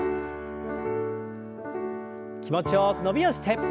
気持ちよく伸びをして。